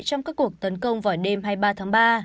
trong các cuộc tấn công vào đêm hai mươi ba tháng ba